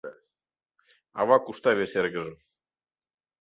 Ава кушта вес эргыжым.